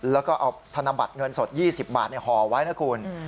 แล้วก็เอาธนบัตรเงินสด๒๐บาทห่อไว้นะคุณ